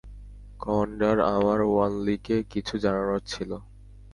Commander, আমার ওয়ানলিকে কিছু জানানোর ছিল।